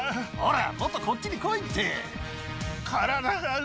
ほらもっとこっちに来いって。